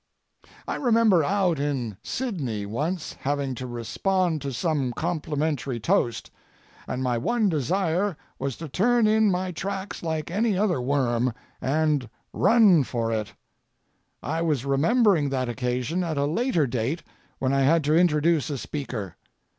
I remember out in Sydney once having to respond to some complimentary toast, and my one desire was to turn in my tracks like any other worm—and run, for it. I was remembering that occasion at a later date when I had to introduce a speaker.